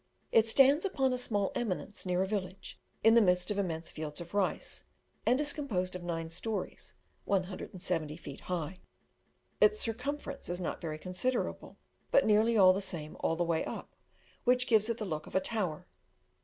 It stands upon a small eminence near a village, in the midst of immense fields of rice, and is composed of nine stories, 170 feet high. Its circumference is not very considerable, but nearly the same all the way up, which gives it the look of a tower.